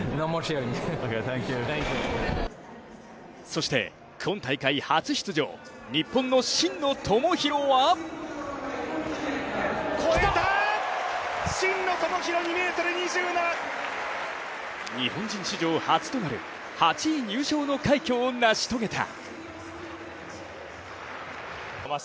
そして今大会初出場、日本の真野友博は越えた、真野友博、２ｍ２７！日本人史上初となる８位入賞の快挙を成し遂げた。